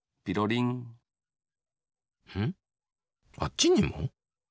んっあっちにも？